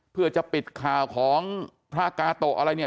เพื่อจะปิดข่าวของพระกาโตะอะไรเนี่ย